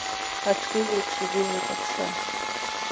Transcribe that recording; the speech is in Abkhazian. Аҽгылеиԥш игылеит аԥша.